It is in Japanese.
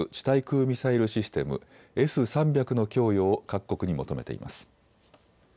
対空ミサイルシステムＳ３００の供与を各国に求めています。